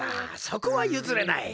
そこはゆずれない。